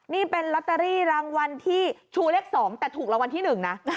นี่เป็นลอตเตอรี่รางวัลที่ชูเลข๒แต่ถูกรางวัลที่๑นะ